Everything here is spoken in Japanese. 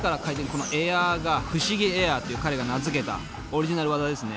このエアが「不思議エア」と彼が名付けたオリジナル技ですね。